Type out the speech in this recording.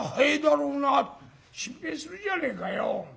心配するじゃねえかよ。